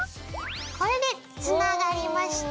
これでつながりました。